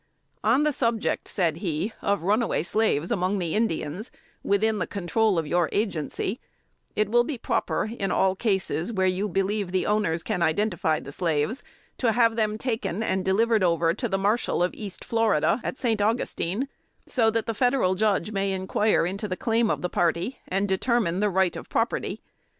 "On the subject (said he) of runaway slaves among the Indians, within the control of your agency, it will be proper in all cases, where you believe the owners can identify the slaves, to have them taken, and delivered over to the Marshal of East Florida, at St. Augustine, so that the Federal Judge may inquire into the claim of the party, and determine the right of property.